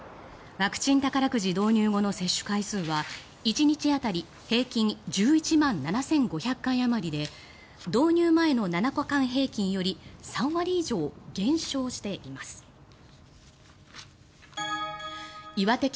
ワクチン宝くじ導入後の接種回数は１日当たり平均１１万７５００回あまりで導入前の７日間平均より３割以上減少しています。